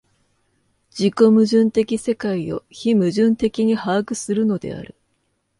自己矛盾的世界を非矛盾的に把握するのである。